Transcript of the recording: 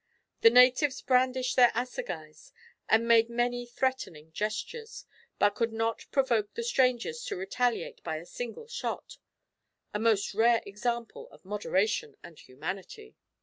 The natives brandished their assegais, and made many threatening gestures, but could not provoke the strangers to retaliate by a single shot a most rare example of moderation and humanity!